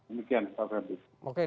demikian pak hendi